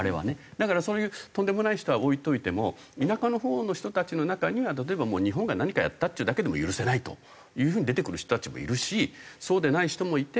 だからそういうとんでもない人は置いといても田舎のほうの人たちの中には例えば日本が何かやったっていうだけで許せないという風に出てくる人たちもいるしそうでない人もいて。